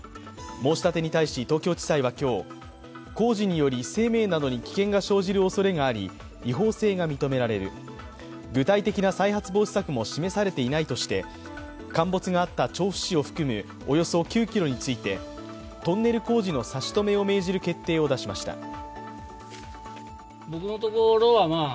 申し立てに対し東京地裁は今日、工事により生命などに危険が生じるおそれがあり違法性が認められる、具体的な再発防止策も示されていないとして、陥没があった調布市を含むおよそ９ｋｍについてトンネル工事の差し止めを命じる決定を出しました。